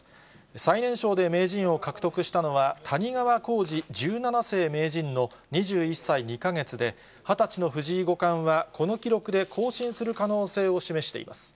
最年少で名人を獲得したのは、谷川浩司十七世名人の２１歳２か月で、２０歳の藤井五冠は、この記録で更新する可能性を示しています。